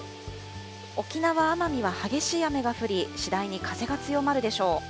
沖縄・奄美は激しい雨が降り、次第に風が強まるでしょう。